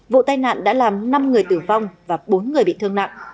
vụ tai nạn đã làm năm người tử vong và bốn người bị thương nặng